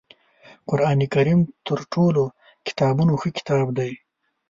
قرآنکریم تر ټولو کتابونو ښه کتاب دی